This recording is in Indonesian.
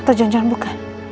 atau jangan jangan bukan